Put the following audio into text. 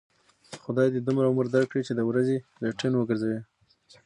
خدای دې دومره عمر در کړي، چې د ورځې لټن و گرځوې.